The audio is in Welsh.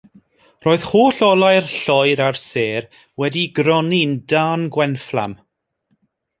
Roedd holl olau'r lloer a'r sêr wedi'i gronni'n dân gwenfflam.